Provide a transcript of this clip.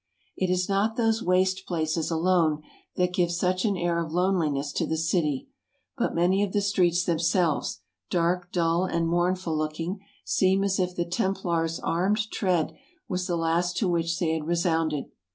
It is not those waste places alone that give such an air of loneliness to the city, but many of the streets themselves, dark, dull, and mournful looking, seem as if the Templars' armed tread was the last to which they had resounded.